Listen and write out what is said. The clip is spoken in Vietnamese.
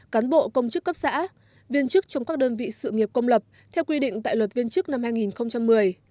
cán bộ công chức cấp xã viên chức trong các đơn vị sự nghiệp công lập theo quy định tại luật viên chức năm hai nghìn một mươi